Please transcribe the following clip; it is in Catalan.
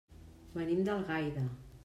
Venim d'Algaida.